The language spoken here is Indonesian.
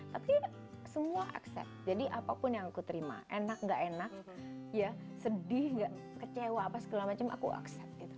tapi semua aksep jadi apapun yang aku terima enak gak enak sedih gak kecewa apa segala macem aku aksep